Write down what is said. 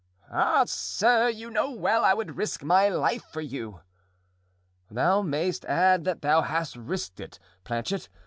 "Ah! sir, you know well I would risk my life for you." "Thou mayst add that thou hast risked it, Planchet.